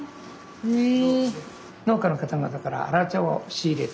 へえ！